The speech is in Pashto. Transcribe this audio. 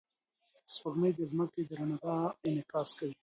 سپوږمۍ د ځمکې د رڼا انعکاس کوي.